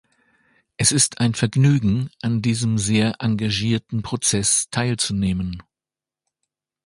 Es ist ein Vergnügen, an diesem sehr engagierten Prozess teilzunehmen.